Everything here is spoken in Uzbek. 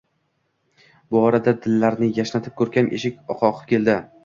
Bu orada dillarni yashnatib ko`klam eshik qoqib keldi